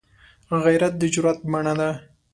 غیرت د جرئت بڼه ده